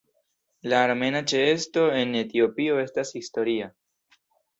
La armena ĉeesto en Etiopio estas historia.